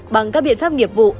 bằng các biện pháp nghiệp vụ